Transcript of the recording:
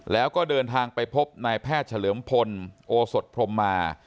แล้วก็เดินทางไปพบนายแพทย์เฉลิมพลโอสดพรมมา